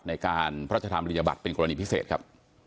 ในการพระราชธรรมริญญบัตรเป็นกรณีพิเศษครับ